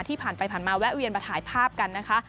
ผ่านไปผ่านมาแวะเวียนมาถ่ายภาพกันนะคะ